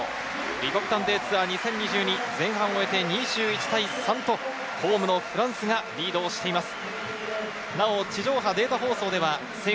リポビタンＤツアー２０２２、前半を終えて２１対３とホームのフランスがリードしています。